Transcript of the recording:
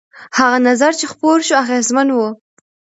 هغه نظر چې خپور شو اغېزمن و.